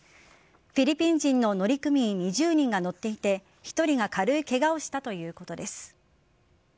フィリピン人の乗組員２０人が乗っていて１人が軽いケガをしたということです。